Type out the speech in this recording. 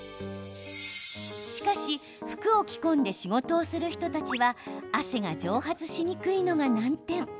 しかし、服を着込んで仕事をする人たちは汗が蒸発しにくいのが難点。